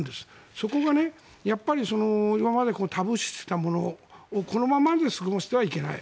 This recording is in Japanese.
そこがやっぱり今までタブー視していたものをこのままで過ごしてはいけない。